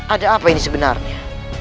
ada apa ini sebenarnya